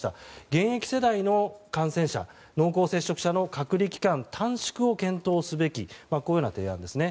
現役世代の感染者濃厚接触者の隔離期間の短縮を検討すべきという提案ですね。